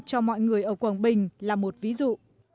cho mọi người ở quảng bình là một ví dụ